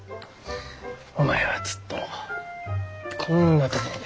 お前はずっとこんなところで。